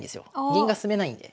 銀が進めないんで。